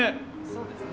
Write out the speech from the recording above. そうですね。